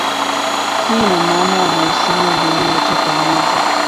Hii ina maana ya mahusiano ya dunia yote pamoja.